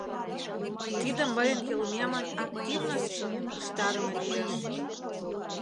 Тиде мыйын йылмемын активностьшым иштарыме лиеш.